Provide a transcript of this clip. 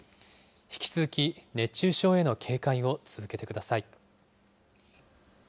引き続き熱中症への警戒を続けてください。